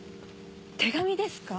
手紙ですか？